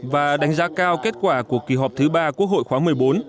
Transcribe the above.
và đánh giá cao kết quả của kỳ họp thứ ba quốc hội khóa một mươi bốn